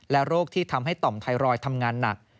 โรคที่ทำให้ต่อมไทรอยด์ทำงานหนัก